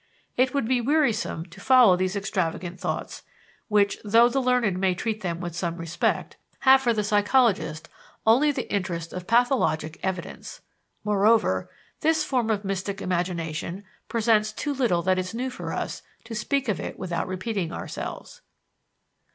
It would be wearisome to follow these extravagant thoughts, which, though the learned may treat them with some respect, have for the psychologist only the interest of pathologic evidence. Moreover, this form of mystic imagination presents too little that is new for us to speak of it without repeating ourselves.